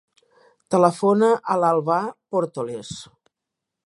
Telefona a l'Albà Portoles.